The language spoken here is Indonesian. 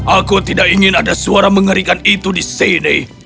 aku tidak ingin ada suara mengerikan itu di sini